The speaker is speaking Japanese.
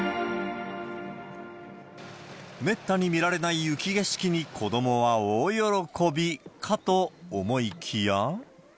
めったに見られない雪景色に子どもは大喜びかと思いきや。